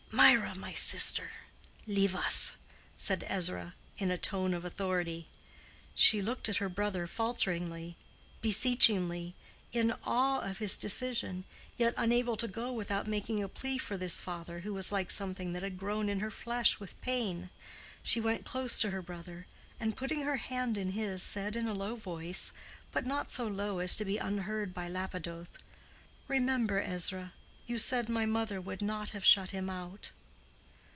"Mirah, my sister, leave us!" said Ezra, in a tone of authority. She looked at her brother falteringly, beseechingly—in awe of his decision, yet unable to go without making a plea for this father who was like something that had grown in her flesh with pain. She went close to her brother, and putting her hand in his, said, in a low voice, but not so low as to be unheard by Lapidoth, "Remember, Ezra—you said my mother would not have shut him out."